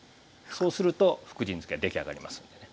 そうすると福神漬出来上がりますんでね。